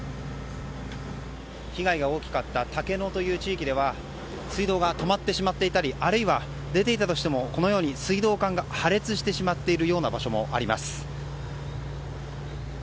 被害が大きかった竹野という地域では水道が止まってしまっていたりあるいは、出ていたとしても水道管が破裂してしまっているような場所もあります。